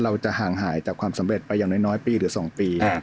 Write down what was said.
เราจะห่างหายจากความสำเร็จไปอย่างน้อยปีหรือ๒ปี